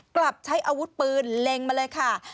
กลับใช้อาวุธปืนเล็งมาเลยค่ะ